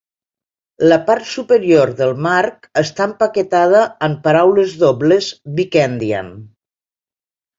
La part superior del marc està empaquetada en paraules dobles big-endian.